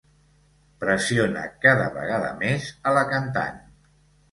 Pressiona cada vegada més a la cantant.